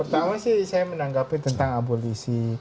pertama sih saya menanggapi tentang abolisi